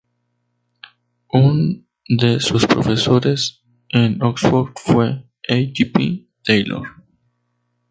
Un de sus profesores en Oxford fue A. J. P. Taylor.